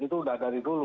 itu sudah dari dulu